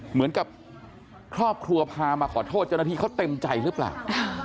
เหมือนกับครอบครัวพามาขอโทษเจ้าหน้าที่เขาเต็มใจหรือเปล่า